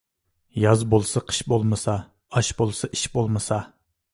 ياز بولسا قىش بولمىسا، ئاش بولسا ئىش بولمىسا.